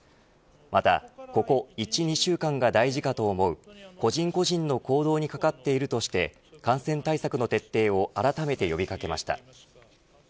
またここ１、２週間が大事かと思う個人個人の行動にかかっているとして感染対策の徹底をあらためて呼び掛けました。